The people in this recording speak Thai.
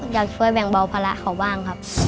อยากช่วยแบ่งเบาภาระเขาบ้างครับ